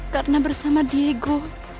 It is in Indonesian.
karena bersama diego